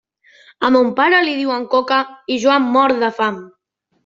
A mon pare li diuen Coca, i jo em mor de fam.